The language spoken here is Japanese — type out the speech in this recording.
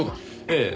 ええ。